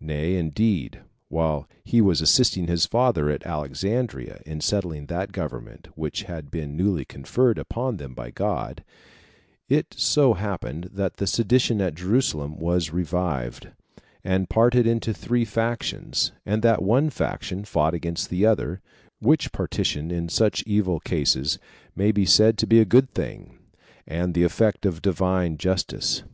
Nay, indeed, while he was assisting his father at Alexandria, in settling that government which had been newly conferred upon them by God, it so happened that the sedition at Jerusalem was revived, and parted into three factions, and that one faction fought against the other; which partition in such evil cases may be said to be a good thing, and the effect of Divine justice.